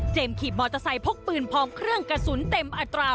เจมส์ขีบมอเตอร์ไซส์พกปืนพองเครื่องกระสุนเต็มอัตรา